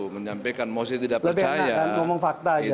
menyampaikan mesti tidak percaya